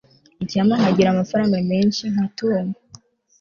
icyampa nkagira amafaranga menshi nka tom